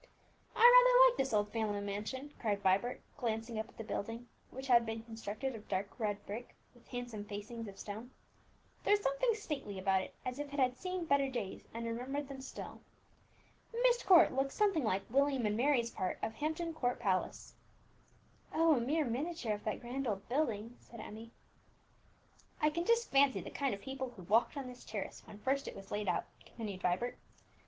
"I rather like this old family mansion," cried Vibert, glancing up at the building, which had been constructed of dark red brick, with handsome facings of stone. "There is something stately about it, as if it had seen better days, and remembered them still. Myst Court looks something like William and Mary's part of Hampton Court Palace." "Oh, a mere miniature of that grand old building," said Emmie. "I can just fancy the kind of people who walked on this terrace when first it was laid out," continued Vibert.